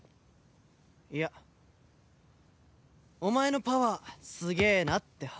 いやお前のパワーすげえなって話。